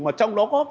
mà trong đó có cả